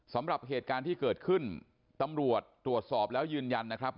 สำหรับเหตุการณ์ที่เกิดขึ้นตำรวจตรวจสอบแล้วยืนยันนะครับ